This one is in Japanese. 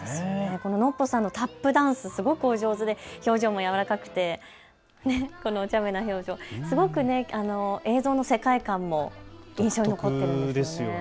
このノッポさんのタップダンス、すごくお上手で表情もやわらかくてこのおちゃめな表情、すごく映像も世界観も印象に残っています。